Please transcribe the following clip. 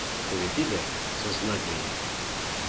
Теве тиде — сознательный!